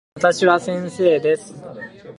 私は先生です。